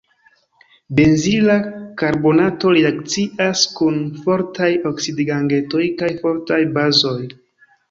Benzila karbonato reakcias kun fortaj oksidigagentoj kaj fortaj bazoj.